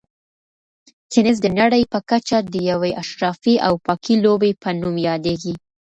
تېنس د نړۍ په کچه د یوې اشرافي او پاکې لوبې په نوم یادیږي.